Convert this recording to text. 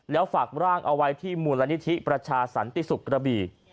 แล้วฝากร่างเอาไว้ที่มุรณิธริประชาสันติสุรรีบี